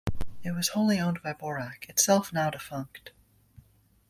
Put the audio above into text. It was wholly owned by Bouraq, itself now defunct.